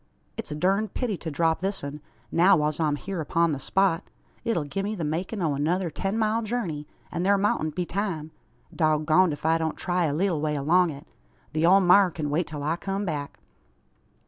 "It's a durned pity to drop this un, now whiles I'm hyur upon the spot. It'll gie me the makin' o' another ten mile jurney, an thur moutn't be time. Dog goned ef I don't try a leetle way along it. The ole maar kin wait till I kum back."